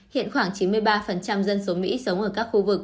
hiện khoảng chín mươi ba dân số mỹ sống ở các khu vực